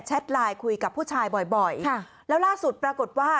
แชทไลน์คุยกับผู้ชายบ่อยแล้วล่าสุดปรากฏว่า